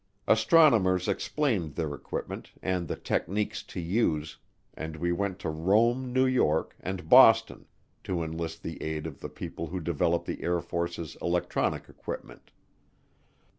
Astronomers explained their equipment and the techniques to use, and we went to Rome, New York, and Boston to enlist the aid of the people who develop the Air Force's electronic equipment.